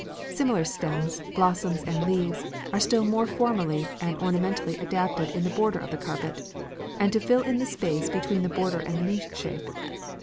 Similar stems, blossoms, and leaves are still more formally and ornamentally adapted in the border of the carpet, and to fill in the space between the border and the niche shape.